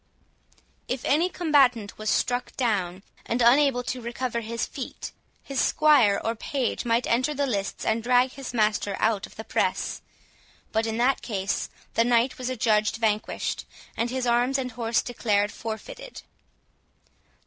If any combatant was struck down, and unable to recover his feet, his squire or page might enter the lists, and drag his master out of the press; but in that case the knight was adjudged vanquished, and his arms and horse declared forfeited.